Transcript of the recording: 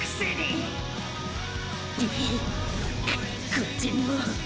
こっちも！！